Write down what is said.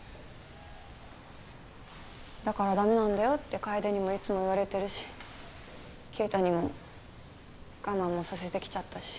だから駄目なんだよって楓にもいつも言われてるし圭太にも我慢もさせてきちゃったし。